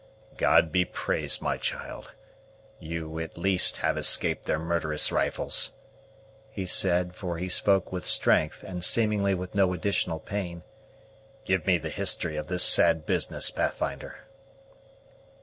"God be praised, my child! you, at least, have escaped their murderous rifles," he said; for he spoke with strength, and seemingly with no additional pain. "Give me the history of this sad business, Pathfinder."